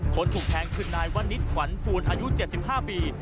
คนถูกแทงคือนายวนิดขวัญภูลอายุ๗๕ปี